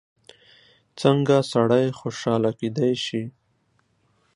څنګه سړی خوشحاله کېدای شي؟